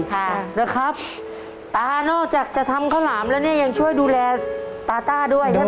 ค่ะนะครับตานอกจากจะทำข้าวหลามแล้วเนี่ยยังช่วยดูแลตาต้าด้วยใช่ไหม